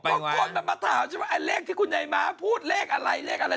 ก็จะมีคนมาถามอะเรกที่คุณยายมาร์สพูดเรกอะไรเล็กอะไร